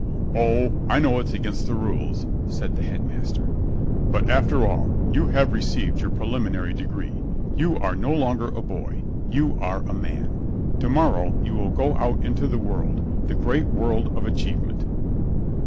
"Oh, I know it's against the rules," said the Headmaster. "But after all, you have received your preliminary degree. You are no longer a boy. You are a man. To morrow you will go out into the world, the great world of achievement."